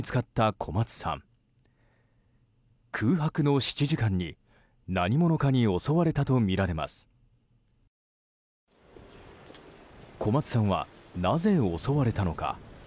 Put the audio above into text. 小松さんは、なぜ襲われたのか？